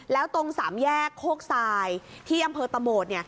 แล้วตรงสามแยกโคกทรายที่อำเภอตะโหมด